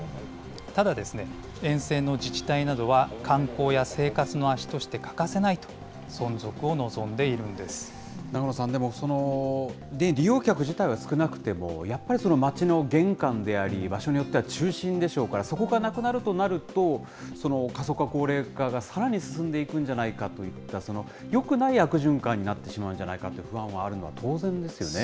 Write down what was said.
ただですね、沿線の自治体などは、観光や生活の足として欠かせないと、永野さん、でも利用客自体は少なくても、やっぱり町の玄関であり、場所によっては中心でしょうから、そこがなくなるとなると、過疎化、高齢化がさらに進んでいくんじゃないかといった、よくない悪循環になってしまうんじゃないかって、不安があるのは当然ですよね。